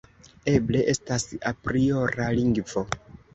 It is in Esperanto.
Eble estas apriora lingvo.